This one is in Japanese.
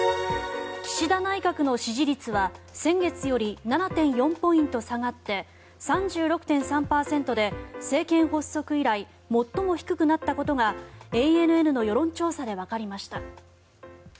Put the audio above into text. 岸田内閣の支持率は先月より７．４ポイント下がって３６．３％で、政権発足以来最も低くなったことがＡＮＮの世論調査でわかりました。